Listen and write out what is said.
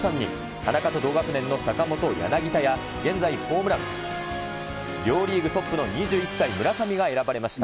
田中と同学年の坂本、柳田や、現在ホームラン両リーグトップの２１歳村上が選ばれました。